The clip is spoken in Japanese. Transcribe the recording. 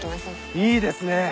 いいですね！